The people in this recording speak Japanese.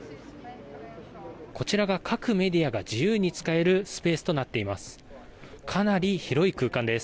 こちらが各メディアが自由に使えるスペースとなっています。